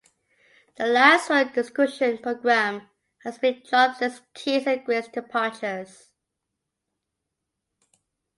"The Last Word" discussion programme has been dropped since Keys and Gray's departures.